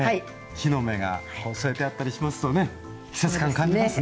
木の芽が添えてあったりしますとね季節感感じますね。